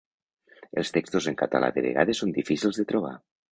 Els textos en català de vegades són difícils de trobar.